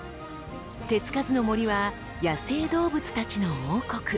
手付かずの森は野生動物たちの王国。